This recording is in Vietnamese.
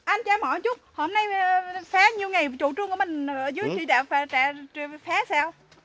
anh cho em hỏi một chút hôm nay phá nhiều ngày chủ trương của mình ở dưới trị đạo phá sao